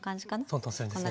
トントンするんですね。